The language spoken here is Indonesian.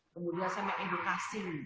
kemudian saya mengedukasi